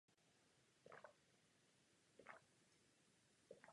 Jsem přesvědčen, že vám pozorně nasloucháme.